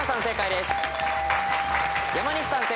正解です。